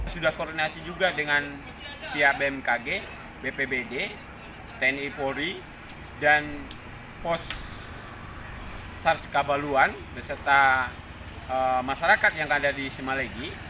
sudah koordinasi juga dengan pihak bmkg bpbd tni polri dan pos sars kabaluan beserta masyarakat yang ada di semalegi